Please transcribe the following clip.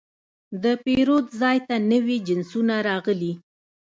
د پیرود ځای ته نوي جنسونه راغلي.